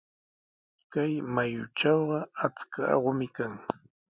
Kay mayutrawqa achka aqumi kan.